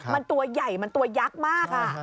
มันตัวยักมาก